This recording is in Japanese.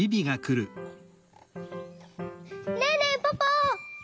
ねえねえポポ！